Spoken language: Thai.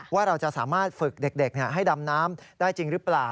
ว่าเราจะสามารถฝึกเด็กให้ดำน้ำได้จริงหรือเปล่า